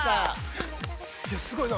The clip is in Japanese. ◆すごいな。